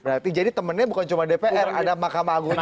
berarti jadi temannya bukan cuma dpr ada mahkamah agung